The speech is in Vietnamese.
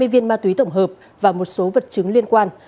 hai mươi viên ma túy tổng hợp và một số vật chứng liên quan